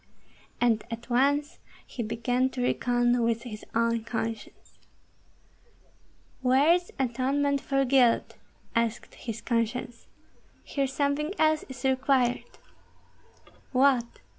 And at once he began to reckon with his own conscience. "Where is atonement for guilt?" asked his conscience. "Here something else is required!" "What?"